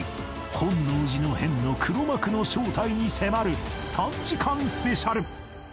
本能寺の変の黒幕の正体に迫る３時間スペシャル